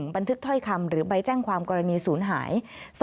บันทึกถ้อยคำหรือใบแจ้งความกรณีศูนย์หาย